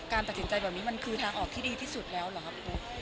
ตัดสินใจแบบนี้มันคือทางออกที่ดีที่สุดแล้วเหรอครับปู